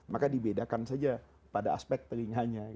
maka dibedakan saja pada aspek telinganya